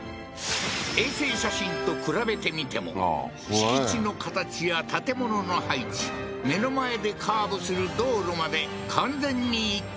衛星写真と比べてみても敷地の形や建物の配置目の前でカーブする道路まで完全に一致